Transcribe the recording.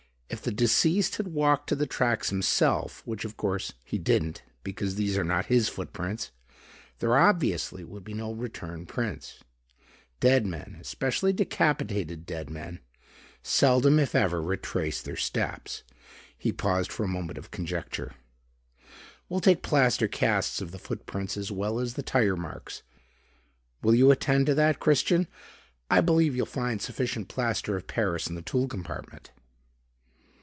If the deceased had walked to the tracks himself, which of course he didn't because these are not his foot prints, there obviously would be no return prints. Dead men, especially decapitated dead men, seldom, if ever, retrace their steps." He paused for a moment of conjecture. "We'll take plaster casts of the foot prints as well as the tire marks. Will you attend to that Christian? I believe you'll find sufficient plaster of Paris in the tool compartment."